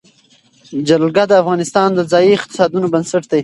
جلګه د افغانستان د ځایي اقتصادونو بنسټ دی.